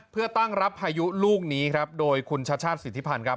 เพื่อตั้งรับพายุลูกนี้ครับโดยคุณชัชชาติสิทธิพันธ์ครับ